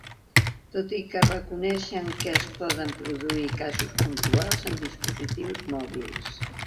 Tot i que reconeixen que es poden produir casos puntuals en dispositius mòbils.